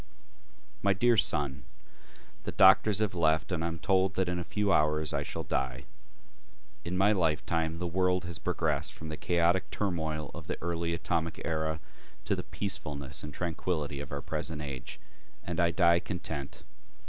MY DEAR SON: The doctors have left and I am told that in a few hours I shall die. In my lifetime the world has progressed from the chaotic turmoil of the early Atomic era to the peacefulness and tranquility of our present age, and I die content.